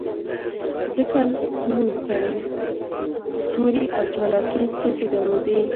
ځکه لوی سړي تورې او چالاکې سترګې درلودې